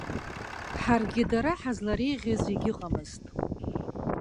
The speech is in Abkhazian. Ҳаргьы дара ҳазлареиӷьыз егьыҟамызт.